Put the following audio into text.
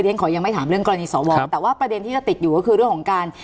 ฉันขอยังไม่ถามเรื่องกรณีสวแต่ว่าประเด็นที่จะติดอยู่ก็คือเรื่องของการ